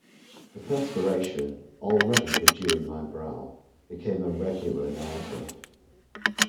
The perspiration, already bedewing my brow, became a regular Niagara.